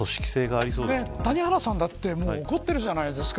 谷原さんだって怒ってるじゃないですか。